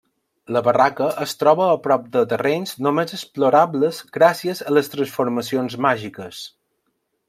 La barraca es troba a prop de terrenys només explorables gràcies a les transformacions màgiques.